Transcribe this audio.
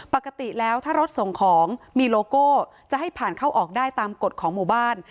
ปกติแล้วถ้ารถส่งของมีโลโก้จะให้ผ่านเข้าออกได้ตามกฎของหมู่บ้าน